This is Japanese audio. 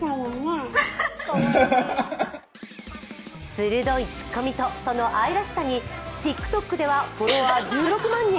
鋭い突っ込みとその愛らしさにＴｉｋＴｏｋではフォロワー１６万人。